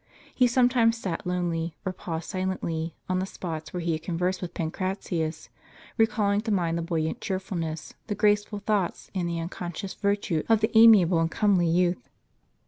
He sometimes sat lonely, or paused silently, on the spots where he had conversed with Pancratius, recalling to mind the buoyant cheerfulness, the graceful thoughts, and the unconscious virtue of the amiable and comely youth.